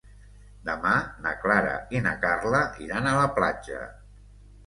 Demà na Clara i na Carla iran a la platja.